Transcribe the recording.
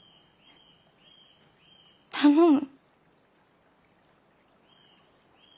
頼む。